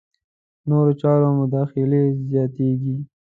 نورو چارو مداخلې زیاتېږي.